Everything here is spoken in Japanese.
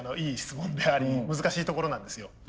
いい質問であり難しいところなんですよ。